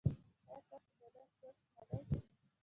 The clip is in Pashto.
ایا ستاسو بدن چست نه دی؟